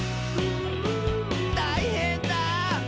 「たいへんだスイ